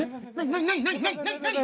何？